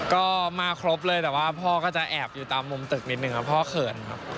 ก็มาครบเลยแต่ว่าพ่อก็จะแอบอยู่ตามมุมตึกนิดนึงครับพ่อเขินครับ